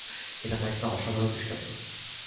এটা একটা অসাধারণ দৃষ্টান্ত।